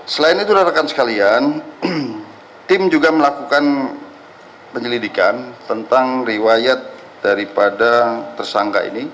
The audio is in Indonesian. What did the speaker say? selain itu rekan sekalian tim juga melakukan penyelidikan tentang riwayat daripada tersangka ini